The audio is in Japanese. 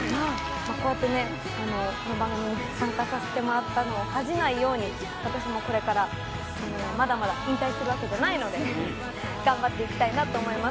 こうやってこの番組に参加させてもらったのを恥じないように私もこれからまだまだ引退するわけじゃないので頑張っていきたいなと思います